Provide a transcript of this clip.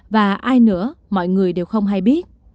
và ai nữa mọi người đều không hay biết